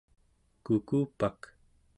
kukupak